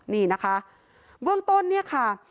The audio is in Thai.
เบื้องต้นนี่ค่ะ